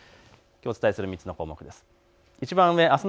お伝えする３つの項目です。